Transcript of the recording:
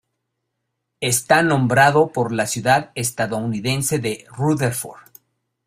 Está nombrado por la ciudad estadounidense de Rutherford.